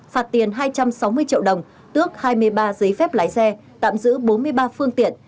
phạt tiền hai trăm sáu mươi triệu đồng tước hai mươi ba giấy phép lái xe tạm giữ bốn mươi ba phương tiện